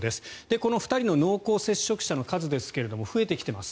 この２人の濃厚接触者の数ですけど増えてきています。